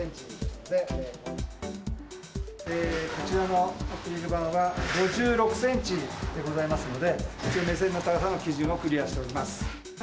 こちらのアクリル板は、５６センチでございますので、一応、目線の高さの基準をクリアしております。